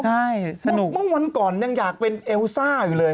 ใช่สนุกเมื่อวันก่อนยังอยากเป็นเอลซ่าอยู่เลย